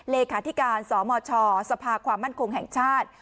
เลขาธิการสมชสภาความมั่นคงแห่งชาติ